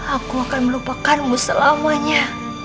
aku akan melupakanmu selamanya